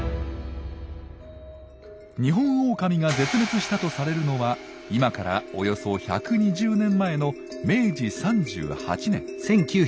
ニホンオオカミが絶滅したとされるのは今からおよそ１２０年前の明治３８年。